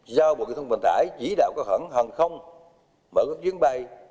giao bộ kỹ thuật bản tải chỉ đạo các hãng hàng không mở các chuyến bay